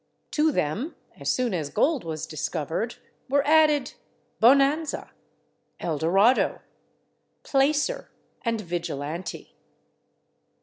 To them, as soon as gold was discovered, were added /bonanza/, /eldorado/, /placer/ and /vigilante